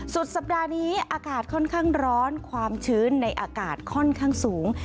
สุดสัปดาห์นี้อากาศค่อนข้างร้อนความชื้นในอากาศค่อนข้างสูง